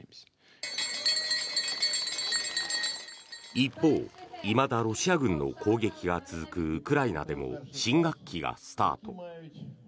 一方、いまだロシア軍の攻撃が続くウクライナでも新学期がスタート。